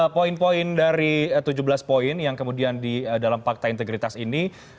poin poin dari tujuh belas poin yang kemudian di dalam fakta integritas ini